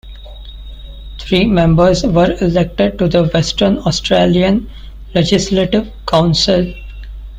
Three members were elected to the Western Australian Legislative Council.